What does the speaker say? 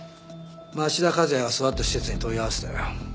町田和也が育った施設に問い合わせたよ。